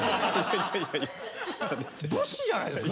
武士じゃないですか。